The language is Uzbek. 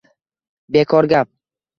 Bekor gap!